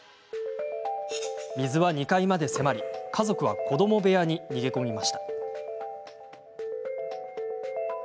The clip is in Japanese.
水は２階まで迫り、家族は子ども部屋に逃げ込みました。